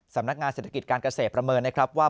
สำนักงานเศรษฐกิจการเกษตรประเมินนะครับว่า